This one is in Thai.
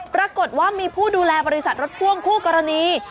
ปรากฏว่ามีผู้ดูแลบริษัทรถพ่วงคู่กรณี